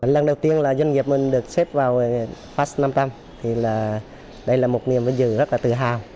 lần đầu tiên là doanh nghiệp mình được xếp vào past năm trăm linh thì đây là một niềm vinh dự rất là tự hào